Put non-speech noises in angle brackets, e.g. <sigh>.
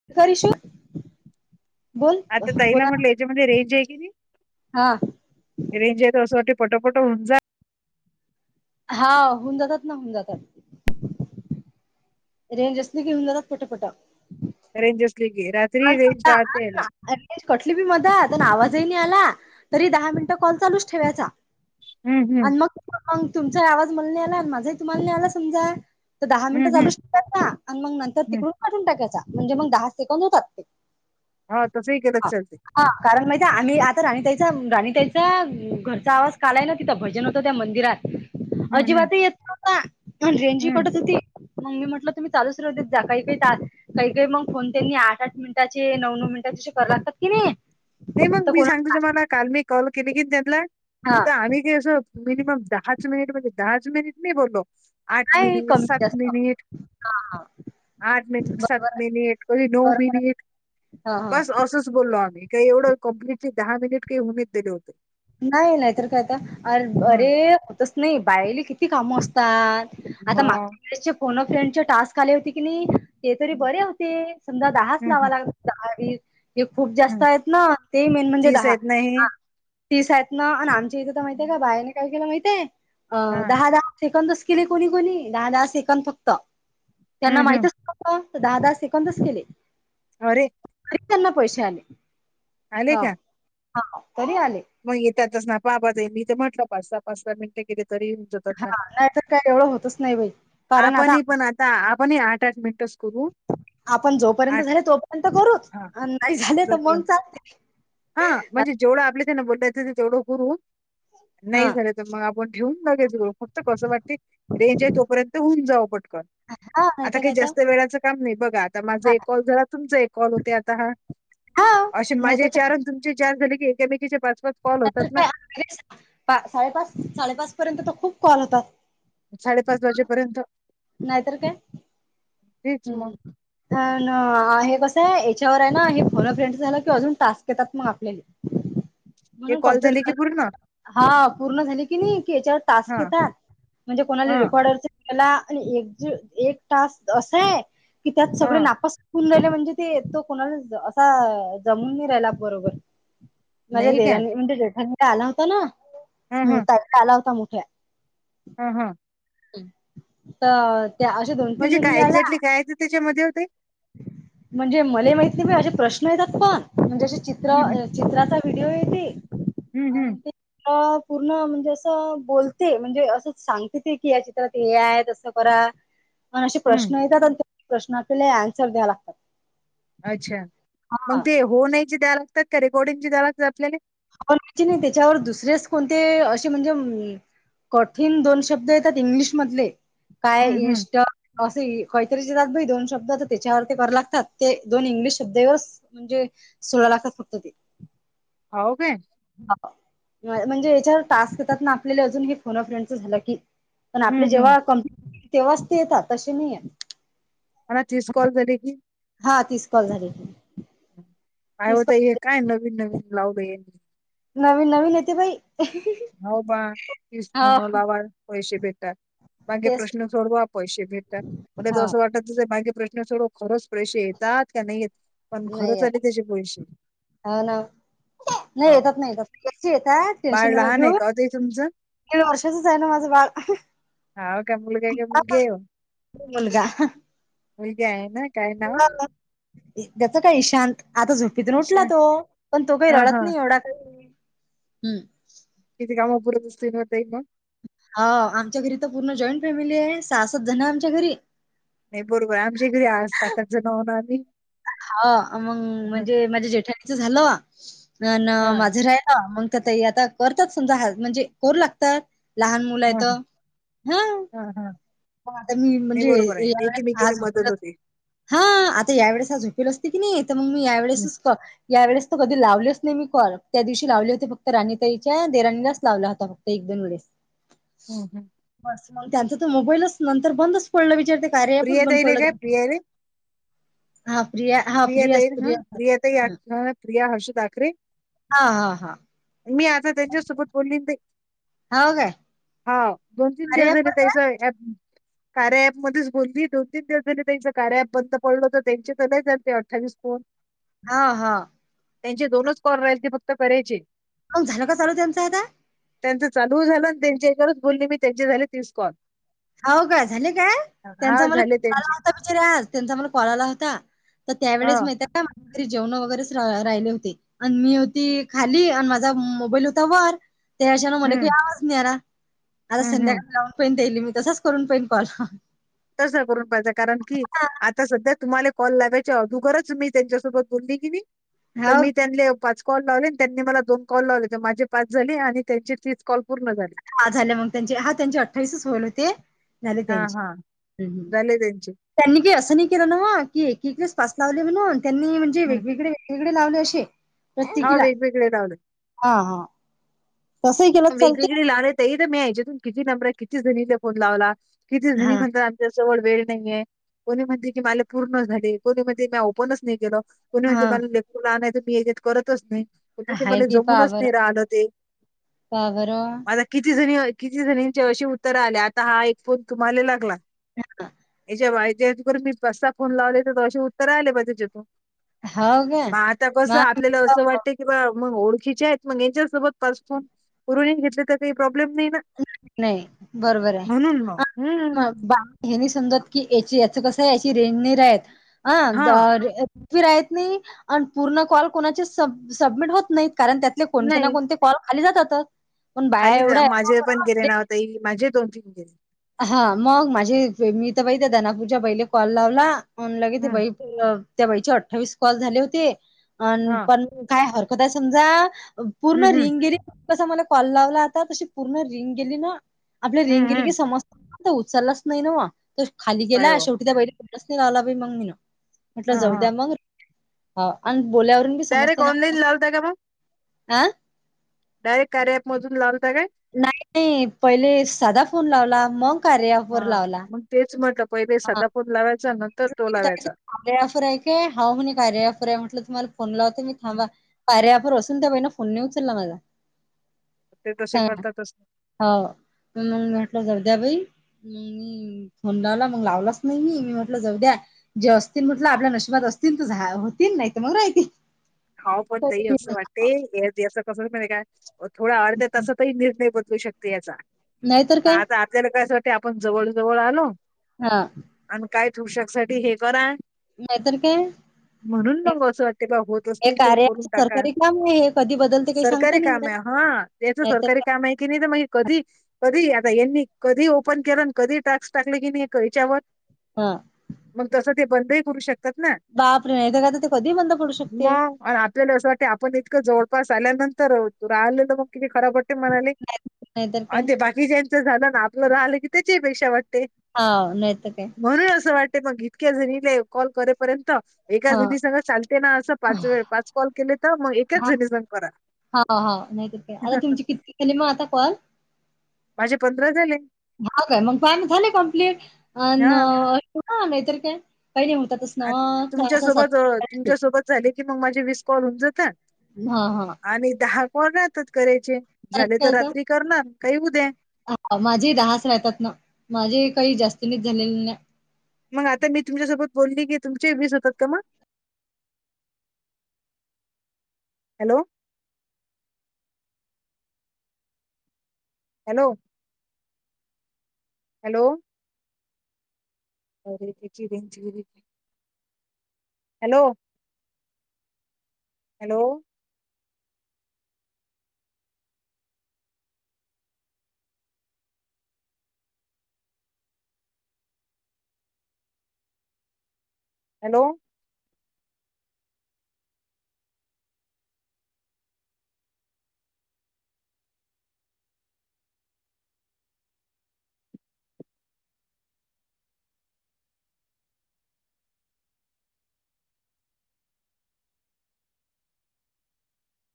<unintelligible> बोल आता ताईला बोला म्हटलं याच्यामध्ये रेंज आहे कि नाही? हा रेंज येत असं वाटतं पटा पट होऊन जा. हा होऊन जातात ना होऊन जातात. रेंज असली की होऊन जातात पटा-पटा. रेंज असली की रात्री रेंज समजा जाते म. रेंज कटली बी मधा तेन आवाजही नाही आला तरी दहा मिनिट कॉल चालूच ठेवायचा. हम्म हम्म आणि मग <inaudible> तुमचाही आवाज मला नाही आला आणि माझाही तुम्हाला नाही आला समजा तर दहा मिनटं हम्म हम्म चालूच <inaudible> आणि मग नंतर हम्म तिकडून पाठून टाकायचा म्हणजे मंग दहा सेकंड होतात. हा तसंही केलं हा चालते. हा कारण माहिती आम्ही आता राणीताईचा राणीताईचा घरचा आवाज काल आहे ना तिथं भजन होतात त्या मंदिरात हम्म हम्म अजिबात येत नव्हता आणि रेंजही हम्म कटत होती मग मी म्हटलं तुम्ही चालूच राहू देत जा काही-काही ते आ काही-काही मंग फोन त्यांनी आ ठ मिनिटांचे नऊ-नऊ मिनिटाची करा लागतात कि नई. नाही मंग मी सांगतो जमाला काल मी कॉल केले की त्यांला हा. आम्ही जे असं मिनिमम दहाच मिनिट म्हणजे दहाच मिनिट नाही बोललो. आठ नाही मिनिट, कमी सात जास्त मिनिट हा हा आठ मिनिट, सात बरोबर मिनिट कधी नऊ बरोबर मिनिट हा हा बस असंच बोललो आम्ही काही एवढं कंप्लीटली दहा मिनिटं की. <unintelligible> नाही नाहीतर काय आता अर हम्म अरे होतच नाही बायली कि ती काम असतात आता मग मागच्या वेळेचे फोन अ फ्रेंडचे टास्क आले होते की नी ते तरी हम्म, बरे होते समजा दहाच हम्म, लावा लागत दहा-वीस हे खूप जास्त हम्म. आहेत ना ते मेन म्हणजे तीस दहा. आहेत नाही हा तीस आहेत ना आणि आमच्या इथे तर माहितय का बायाने काय केलं माहितय अ हा दहा-दहा सेकंदच केले कोणी-कोणी दहा-दहा सेकंद फक्त त्यांना हम्म हम्म माहितच नव्ह ता दहा-दाहा सेकंदच केले. अरे तरी त्यांना पैशे आले आले हा का हा तरी आले. मग येत्यातच ना बाबा ते मी ते म्हटलं पाच-सहा, पाच-सहा मिनिटे केले तरी जातात हा ना नाही तर काही एवढं होतच नाही बाई कारण आता ता आपण ही आठ-आठ मिनिट सु आपण जोपर्यंत झाले तोपर्यंत करूच हा नाही झाले तर मग जोपर्यंत चालते. हा म्हणजे जेवढं आपले त्यांना बोलयाचा तेवढं करू हा नाही झालं मग आपण ठेऊून जाघायचं ग फक्त कसं वाटते रेंज आहे तोपर्यंत होऊन जावं पटकन. <unintelligible> आता काही तर जास्त वेळाचं काम नाही बघा आता माझा एक कॉल झाला तुमचा एक कॉल होते आता हा. हा अशे माझे नाहीतर चार तुमचे चार झाले की एककामेकीचे पाच-पाच नायतर काय अरे साडेपा साडेपाच पर्यंत तर खूप कॉल होतात साडेपाच वाजेपर्यंत नाय तर काय तेच मग हम्म. हा ना आ हे कसं आहे याच्यावर आहे ना हे फोन अ फ्रेंड झालं किवा अजून टास्क येतात मग आपल्याले. ह हे कॉल झाले की पूर्ण हा पूर्ण झाली की नाही की याच्यावर हा टास्क येतात म्हणजे कोणाली हा रेकॉर्डर त्याला आणि एक जे एक टास्क असं आहे की त्यात सगळे हा नापास होऊन राहिले म्हणजे ते येतो कुणाला असा जमून नाही राहिला बरोबर. माझ्या नाही काय देरानी म्हणजे जेठाणीला आला होता ना हा टा काला होता मोठ्या. हां हां. तर त्या अशे म्हणजे दोन-तीन काय <unintelligible> आला. एक्झॅक्टली काय येत त्याच्यामध्ये होते म्हणजे मले माहित नाही असे प्रश्न येतात पण म्हणजे असे चित्र हं, हं, चित्राचा विडिओ येते हं, आणि हं, ते अ पूर्ण म्हणजे असं बोलते म्हणजे असं सांगते ते की या चित्रात हे आहे तसं करा पण अशे हं. प्रश्न येतात आणि त्या प्रश्ना आपले आंसर द्या लागतात. अच्छा हा मग ते हो नाहीची द्या लागतात का रेकॉर्डिंगची द्या लागतात आपल्यालये? हो नाहीची त्याच्यावर दुसरेस कोणते अशे म्हणजे उम कठीण दोन शब्द येतात इंग्लिश मधले काय हं, हं. इनस्ट असे ए काहीतरी ज देतात बाई दोन शब्दात त्याच्यावर ते कर लागतात ते दोन इंग्लिश शब्देवरस म्हणजे सोळा लाखात फक्त ते. हाव काय? म्हणजे याच्यावर टास्क येतात ना आपल्याला अजून हे फोन ऑफेंच झालं की. पण आपले हं, हं. जेव्हा कंप <inaudible> तेव्हाच ते येतात तशे नाही आहे. आणा तीस झाले की? हा तीस कॉल झाली. काय होता हे काय नवीन नवीन लावलं हे? नवीन नवीन येते बाई. हाव बा तीच फोन लावा पैशे भेटाल मागे तेच प्रश्न सोडवा पैसे भेटतात. मला तो हा असं वाटतचं आहे मागे प्रश्न सोडं खरच प्रेशे येतात का नाही येत. पण नाही खरंच आले येत त्याचे पैशे. हो ना नाही हो येतात नाही येतात एकटी येतात. बाळ टेन्शन नका लहान घेऊ आहे का हो ताई तुमचं? दीड वर्षाचाच आहे ना माझं बाळ हाव का मुलगा आहे का मुलगी आहे ओ? <inaudible> मुलगा. मुलगी आहे ना? काय नाव? <inaudible> द्याचा काय इशांत आता झोपीतून उठला उषा तो. पण तो काही हा हा रडत नाही एवढा काही. किती कामापूरत असते ना ताई म? हा आमच्या घरी तर पूर्ण जॉईंट फॅमिली आहे सहा-सात जण आमच्या घरी. नाही बरोबर आहे आमच्या घरी आ सात-आठ जणं होणार नाही. हा मग म्हणजे माझ्या जेठाणीचं झालं अन हा माझं रा हा मग तर ताई आता करतात समजा हा म्हणजे करू लागतात लहान मुलं हा आहेत हां. हा हा हो आता मी नाही म्हणजे बरोबर आहे या वेळेस एकमेकीला आज मदत झोपलत होते. हा आता या वेळेस हा झोपेला असते की नाही तर मग मी या हं, वेेळेसच क या वेळेस तर कधी लावलेच नाही मी कॉल त्या दिवशी लावले होते फक्त राणीताईच्या देराणीलाच लावला होता फक्त एक, दोन वेळेस. <inaudible> हम्म हम्म. बस मग त्यांचं तर मोबाईलच नंतर बंदच पडलं विचारते कार्याऐपच प्रिया बंद ताईले पडलं काय त्यांचं. प्रिया रे हा प्रिया हा ताई हा प्रिया <inaudible> प्रिया ताई हा. आख- हा प्रिया हर्षद आखरे आ हा हा. मी आता त्यांच्या सोबत बोलली नाय. हो काय? हा दोन तीन अरे दिवस झाली ऍपवर त्याच काय ऍप कार्या ऍपमध्येच बोलली. दोन तीन दिवस झाली त्यांचं कार्या ऍप बंद पडलं होतं. त्यांचे तर नाही झा ते अठ्ठावीस फोन हां हां. त्यांचे दोनच कॉल राहीलती फक्त करायची. कॉल झालंय का चालू त्यांचा आता? त्यांचं चालू झालं त्यांच्या इतरच बोलली मी त्यांचे झाले तीस कॉल. हो का, झाले काय? त्यांचा हा मला झाले कॉल आला त्यांचे होता विचारला आज त्यांचा मला कॉल आला होता. तर हा त्यावेेळेस माहिती आहेत का माझं घरी जेवणं वगैरेच राहिले होती. आणि मी होती खाली आणि माझा मोबाईल होता वर. त्या अशान म्हण काही हम्म आवाज नाही आला. आता हम्म हम्म संध्याकाळी लावून <unintelligible> मी. तसच करून पाहीन कॉल हा. तस करून पाहिजे कारण की आ आता सध्या तुम्हाला कॉल लावायच्या अदोगरच मी त्यांच्यासोबत बोलली की गेली, तर हो मी त्यांले पाच कॉल लावले आणि त्यांनी मला दोन कॉल लावले. तर माझे पाच झाले आणि त्यांचे तिस कॉल पूर्ण झाले. हां झाल्या, मग त्यांचे हा त्यांचे अठ्ठावीसच होल होते. झाले हा हा त्यांचे हं. झाले त्यांचे त्यांनी बी असं नाही केलं नव्हं, की एकेकीलाच पाच लावले म्हण आणि त्यांनी म्हणजे हं. वेगवेगळी <unintelligible> गळी लावले असे हा प्रत्येकीला. वेगवेगळे लावले. हा, हा. तसंही केलं तर चालते? इथे लावले तर मी याच्यातून किती नंबर आहेत. कितीजणीला फोन लावला, कितीजणी हा म्हणतात <unintelligible> त्या जवळ वेळ नाहीये. कोणीही म्हणते की माले पूर्ण झाले. कोणीही म्हणते मी ओपनच नाही केलं. कोुणी म्हणे हा <unintelligible> मी यात करतच नाही. ते हाय मला की पहा जमूनच बरं, नाही राहिलं ते. पहा बरं. आता किती जणी किती जणींचे अशी उत्तरं आल्या, आता हा एक फोन तुम्हाले लागला. <unintelligible> <unintelligible> मी पाच सहा फोन लावले तर असे उत्तर आले बाई त्याच्यातून हो का मग आता कस आपल्याला असं मग वाटतं किंवा मग ओळखीचे आहेत, मग यांच्यासोबत <unintelligible> उरूळीन घेतले तर काही प्रॉब्लेम नाही ना. नाही, बरोबर आहे. <unintelligible> हम्म. हां बा हे नाही समजत की याची याच कसं आहे याची रेंज नाही राहत. हा, जर राहित नाही आणि पूर्ण कॉल कोणाचे स सबमिट होत नाहीत, कारण त्यातले कोणते ना नाही कोणते काॅल खाली जातात. खाली जा माझे पण गेले ना ओ ताई. माझे दोन, तीन गेले. हा मग माझे मी तर बई ते दनापूजा बाईले कॉल लावला. फोन लागे ती हम्म बाई अं त्या बाईचे अठ्ठावीस कॉल झाले होते, अन हा पण काय हरकत आहे समजा. पूर्ण हम्म हम्म रिंग गिरी कस मला कॉल लावला आता तशी पूर्ण रिंग गेली ना, आपली रिंग हम्म गेली की हम्म समज तू उचललाच नाही नव्हं. तू खाली गेला पाय वा शेवटी त्या बाईला फोनच नाही लावला बाई मग मी न. म्हटलं हा जाऊ हा द्या मग आणि बोल्यावरून बी डायरेक्ट समजते ना ऑनलाईन <unintelligible> लावता का मग आ? डायरेक्ट कार्या ॲपमधून लावलाता काय? नाही नाही पहिले साधा फोन लावला. मग कार्यावर हा लावला मग तेच म्हणलं पहिले साधा फोन लावायचा नंतर तो लावायचा. आपल्या ॲपवर आहे काय हाऊ म्हणे कार्या ॲपवर आहे म्हटलं तुम्हाला फोन लावते मी थांबा. हम्म. कार्या ॲपवर पण त्या बाईनं फोन नाही उचलला माझा‌. ते तसे करतात तसं हाव मी मग मी म्हटलं जाऊ द्या बाई हं अं फोन लावला मग लावलाच नाही मी म्ह म्हटलं जाऊ द्या जेवा असतील म्हटलं आपल्या नशिबात असतील तर जा होतील नाहीत मग राहितील. हाव पण ताई असं वाटते याच कसं आहे माहितीये काय? मग थोडा अर्ध्या तासातही निर्णय बदलू शकते याचा. नाहीतर काय माझा आता <unintelligible> आपण जवळ जवळ आलो हा. आणि काय <unintelligible> साठी हे करा नाहीतर काय म्हणून मंग असं वाटते का होतच हे कार्याच लवकरून टाका सरकारी काम आहे हे कधी बदलते काही सांगता सरकारी नाही काम येत. आहे हं त्याज सर नाहीतर सरकारी काय काम आहे की नाही तर कधी कधी आता यांनी कधी ओपन केलं आण कधी ट्राक्स टाकले की नाही ह्याच्यावर हा. मग तसं ते बंदही करू शकत बाप रे नाहीतर आता ते कधीही बंद पडू शकते. मग आणि आपल्याला असं वाटतं आपण इतकं जवळपास आल्यानंतर राहिलेलं मग किती खराब वाट ते म्हणाले नाही नाहीतर काय आणि ते बाकी ज्यांच झालं ना आपलं राहिलं की त्याचीपेक्षाही वाटते. हा नाहीतर काय? म्हणून असं वाटते मग इतक्या जणीले कॉल करेपर्यंत एका हां, जणी संग चालते ना असं पाच व पाच कॉल केले तर मग एक हा हा ह नाहीतर काय आता तुमचे किती केले म आता कॉल? माझे पंधरा झाले हा काय मग चांगले झाले कमप्लीट अन हा नाहीतर काय काही नाही होतातच ना आ व तासा तासात. तुमच्यासोबत अ, तुमच्यासोबत झाले की मग माझे विस कॉल होऊन जाता हा हा. आणि दहा कॉल राहतात करायचे झाले तर रात्री करणार काही उद्या. हा माझेही दहाचं राहतात ना माझेही काही जास्ती नाईत झालेले ना. मग आता मी तुमच्यासोबत बोलली की तुमचेही वीस होतात का मग. हॅलो हॅलो हॅलो अरे तिची रेंज गेली पाय. Hello hello hello